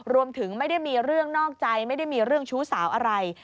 ไม่ได้มีเรื่องนอกใจไม่ได้มีเรื่องชู้สาวอะไร